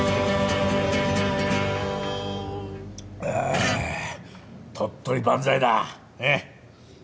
あ鳥取万歳だ！ね！